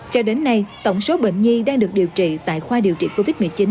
cho đến nay tổng số bệnh nhi đang được điều trị tại khoa điều trị covid một mươi chín